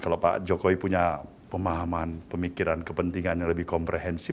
kalau pak jokowi punya pemahaman pemikiran kepentingan yang lebih komprehensif